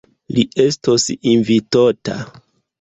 Li estos invitota.